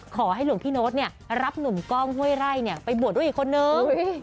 ขอให้หลวงพี่โน๊ตรับหนุ่มกล้องห้วยไร่ไปบวชด้วยอีกคนนึง